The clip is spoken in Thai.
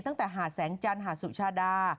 ตั้งแต่หาดแสงจันทร์หาดสุชาดา